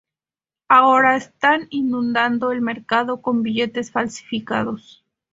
Ahora están inundando el mercado con billetes falsificados.